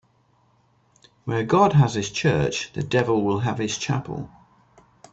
Where God has his church, the devil will have his chapel.